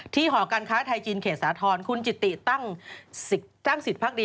หอการค้าไทยจีนเขตสาธรณ์คุณจิติตั้งสิทธิพักดี